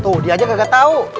tuh dia aja gak tau